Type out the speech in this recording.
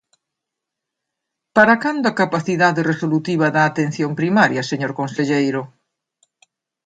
¿Para cando a capacidade resolutiva da atención primaria, señor conselleiro?